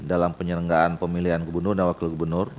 dalam penyelenggaraan pemilihan gubernur dan wakil gubernur